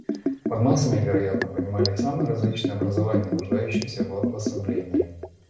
Под массами, вероятно, понимали самые различные образования, нуждающиеся в обособлении.